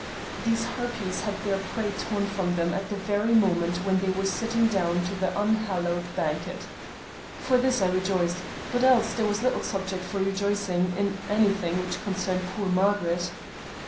These harpies had their prey torn from them at the very moment when they were sitting down to the unhallowed banquet. For this I rejoiced, but else there was little sub ject for rejoicing in anything which concerned poor Mar garet.